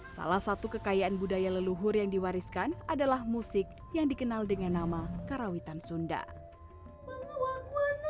salah satu kekayaan budaya leluhur yang diwariskan adalah musik yang dikenal dengan nama karawitan sunda